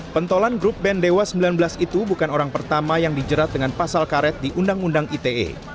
pentolan grup band dewa sembilan belas itu bukan orang pertama yang dijerat dengan pasal karet di undang undang ite